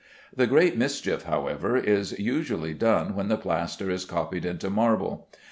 The great mischief, however, is usually done when the plaster is copied into marble.